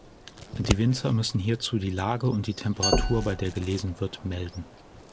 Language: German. Die Winzer müssen hierzu die Lage und die Temperatur, bei der gelesen wird, melden.